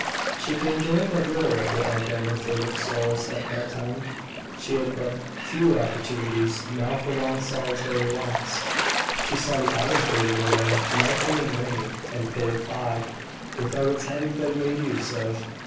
She could enjoy but little of what had been her favourite solace at that time. She had but few opportunities now for long solitary walks. She saw the autumn fading away, melting in rain and cold fog, without its having been made use of.